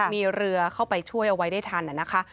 มีเรือเข้าไปช่วยเอาไว้ได้ทันนะคะ